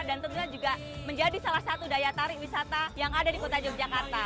dan tentunya juga menjadi salah satu daya tarik wisata yang ada di kota yogyakarta